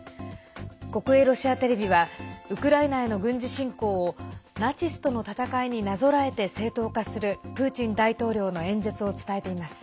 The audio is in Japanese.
国営ロシアテレビはウクライナへの軍事侵攻をナチスとの戦いになぞらえて正当化するプーチン大統領の演説を伝えています。